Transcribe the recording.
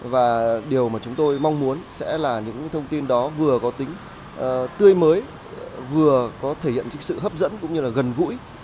và điều mà chúng tôi mong muốn sẽ là những thông tin đó vừa có tính tươi mới vừa có thể hiện sự hấp dẫn cũng như là gần gũi